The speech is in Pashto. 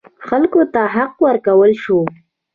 خلکو ته حق ورکړل شو.